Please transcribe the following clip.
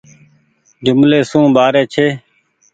جملي سون ٻآري ڇي۔